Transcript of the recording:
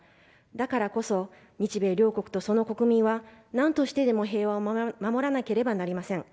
だからこそ日米両国とその国民はなんとしてでも平和を守らなければなりません。